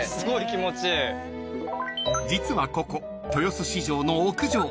［実はここ豊洲市場の屋上］